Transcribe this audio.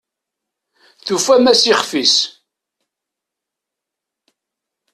Tufamt-as ixf-is.